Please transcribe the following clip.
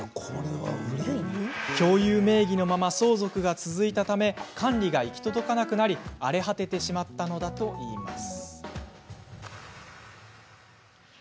共有名義のまま相続が続いたため管理が行き届かなくなり荒れ果ててしまったのだといいます。